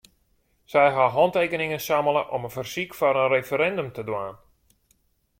Sy ha hantekeningen sammele om in fersyk foar in referindum te dwaan.